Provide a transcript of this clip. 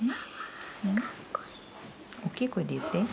大きい声で言って。